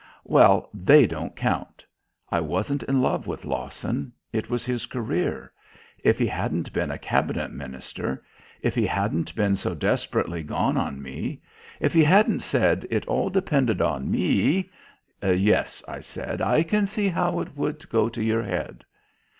"Well, but they don't count. I wasn't in love with Lawson. It was his career. If he hadn't been a Cabinet Minister; if he hadn't been so desperately gone on me; if he hadn't said it all depended on me " "Yes," I said. "I can see how it would go to your head."